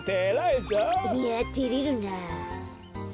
いやてれるなあ。